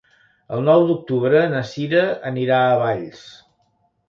El nou d'octubre na Sira anirà a Valls.